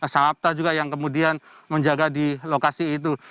sahabta juga yang kemudian menjaga di lokasi itu